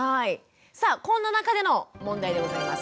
さあこんな中での問題でございます。